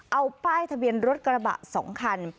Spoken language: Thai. เอาป้ายทะเบียนรถกระบะ๒คัน